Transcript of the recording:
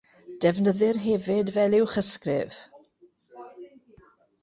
Defnyddir hefyd fel uwchysgrif.